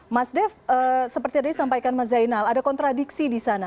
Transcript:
mas dev seperti tadi disampaikan mas zainal ada kontradiksi di sana